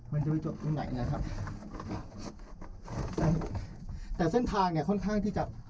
มันจะไปจบตรงไหนนะครับแต่เส้นทางเนี้ยค่อนข้างที่จะ